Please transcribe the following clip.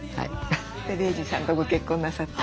で玲児さんとご結婚なさって。